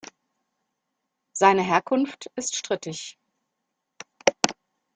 Seine Herkunft ist strittig.